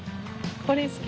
これ好き。